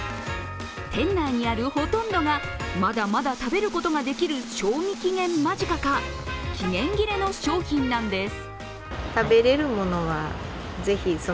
店内にあるほとんどがまだまだ食べることができる賞味期限間近か期限切れの商品なんです。